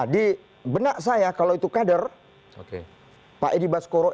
di benak saya kalau itu kader pak edi baskoro